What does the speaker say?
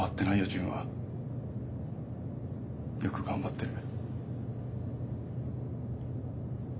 純はよく頑張ってる。